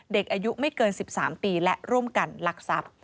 เด็กอายุไม่เกิน๑๓ปีและร่วมกันลักทรัพย์